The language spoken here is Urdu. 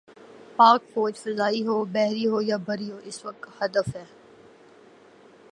پاک فوج فضائی ہو، بحری ہو یا بری، اس وقت ہدف ہے۔